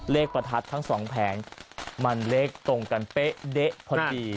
ประทัดทั้งสองแผงมันเลขตรงกันเป๊ะเด๊ะพอดี